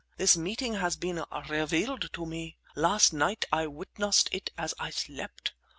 This meeting has been revealed to me. Last night I witnessed it as I slept.